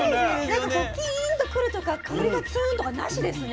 なんかこうキーンとくるというか香りがツーンとかなしですね。